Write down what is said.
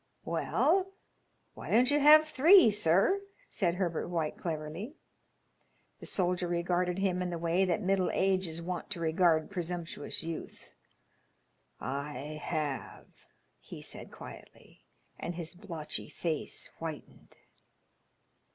"Well, why don't you have three, sir?" said Herbert White, cleverly. The soldier regarded him in the way that middle age is wont to regard presumptuous youth. "I have," he said, quietly, and his blotchy face whitened.